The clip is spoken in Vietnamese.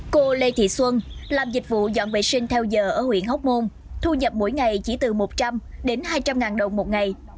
cô lê thị xuân làm dịch vụ dọn vệ sinh theo giờ ở huyện hóc môn thu nhập mỗi ngày chỉ từ một trăm linh đến hai trăm linh ngàn đồng một ngày